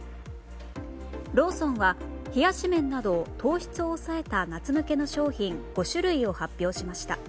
ローソンは冷やし麺など糖質を抑えた夏向けの商品５種類を発表しました。